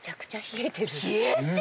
冷えてる！